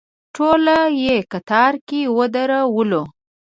ټول یې کتار کې ودرولو.